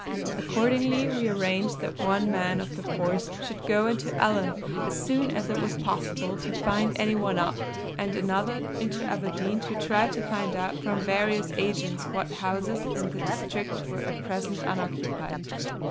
Accordingly we arranged that one man of the force should go into Ellon, as soon as it was possible to find any one up, and another into Aberdeen to try to find out from various agents what houses in the district were at present unoccupied.